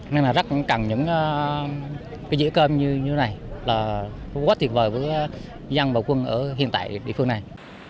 nên là rất cẳng những cái dĩa cơm như thế này là quá tuyệt vời với dân và quân ở hiện tại địa phương này